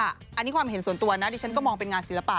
อันนี้ความเห็นส่วนตัวนะดิฉันก็มองเป็นงานศิลปะ